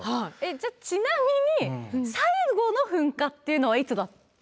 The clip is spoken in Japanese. じゃあちなみに最後の噴火っていうのはいつだったんですか？